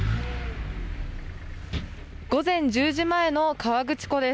午前１０時前の河口湖です。